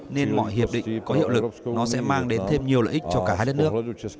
nên mọi hiệp định có hiệu lực nó sẽ mang đến thêm nhiều lợi ích cho cả hai đất nước